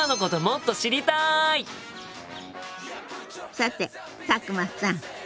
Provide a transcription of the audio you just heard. さて佐久間さん